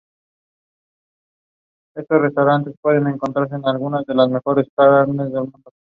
Estos chips forman parte de la plataforma Santa Rosa.